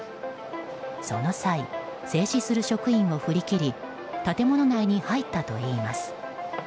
その際、制止する職員を振り切り建物内に入ったといいます。